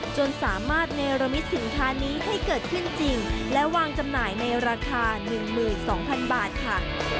จนสามารถเนรมิตสินค้านี้ให้เกิดขึ้นจริงและวางจำหน่ายในราคา๑๒๐๐๐บาทค่ะ